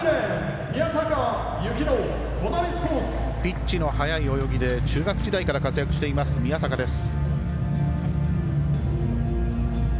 ピッチの速い泳ぎで中学時代から活躍しています宮坂です。